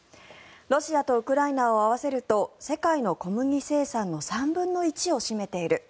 ロシアとウクライナを合わせると世界の小麦生産の３分の１を占めている。